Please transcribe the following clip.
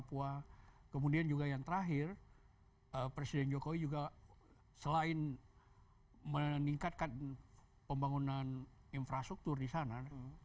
papua kemudian juga yang terakhir presiden jokowi juga selain meningkatkan pembangunan infrastruktur di sana